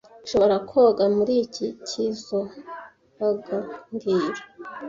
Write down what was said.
Nshobora koga muri iki kizoaga mbwira